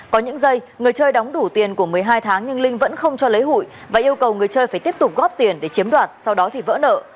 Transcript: có những giây người chơi đóng đủ tiền của một mươi hai tháng nhưng linh vẫn không cho lấy hụi và yêu cầu người chơi phải tiếp tục góp tiền để chiếm đoạt sau đó thì vỡ nợ